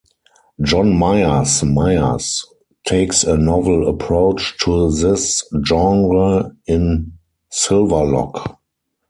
John Myers Myers takes a novel approach to this genre in Silverlock.